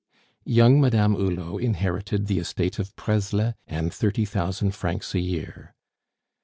Young Madame Hulot inherited the estate of Presles and thirty thousand francs a year.